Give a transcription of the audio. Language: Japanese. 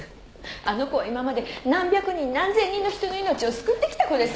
あの子は今まで何百人何千人の人の命を救ってきた子ですよ！？